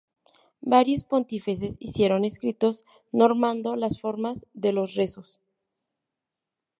Varios Pontífices hicieron escritos normando la forma de los rezos.